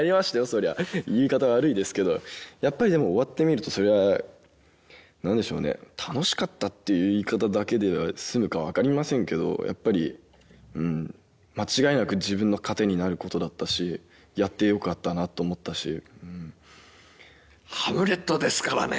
そりゃ言い方悪いですけどやっぱりでも終わってみるとそりゃ何でしょうね楽しかったっていう言い方だけで済むか分かりませんけどやっぱり間違いなく自分の糧になることだったしやってよかったなって思ったし「ハムレット」ですからね